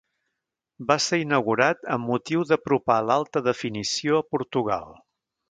Va ser inaugurat amb motiu d'apropar l'alta definició a Portugal.